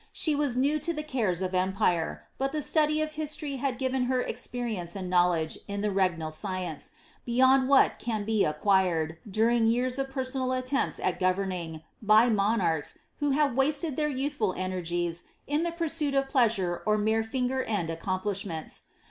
She was new to the cares of empire, but the study of history had given her experience and iinowledee in the regnal science, beyond what can be acquired, during vears of personal attempts at governing, by monarchs, who have wasted their youthful energies in the pursuit of pleasure or mere finger end ac cooipiifhments.